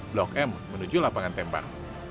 blok m menuju lapangan tembak